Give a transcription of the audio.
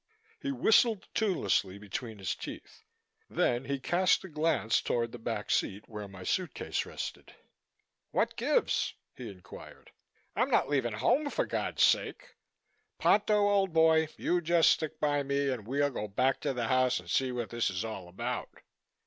He whistled tunelessly between his teeth. Then he cast a glance toward the back seat, where my suitcase rested. "What gives," he inquired. "I'm not leaving home, for God's sake? Ponto, old boy, you just stick by me and we'll go back to the house and see what this is all about."